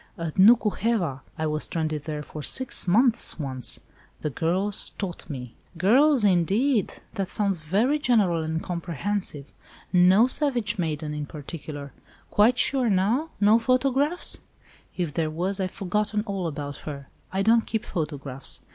"At Nuku heva! I was stranded there for six months once. The girls taught me." "Girls, indeed! That sounds very general and comprehensive. No savage maiden in particular. Quite sure, now? No photograph?" "If there was, I've forgotten all about her. I don't keep photographs.